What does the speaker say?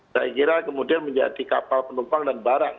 saya kira kemudian menjadi kapal penumpang dan barang